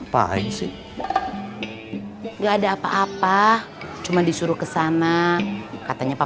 biar febri aja gak apa apa